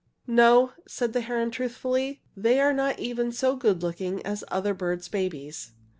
"No," said the heron, truthfully, "they are not even so good looking as other birds' babies.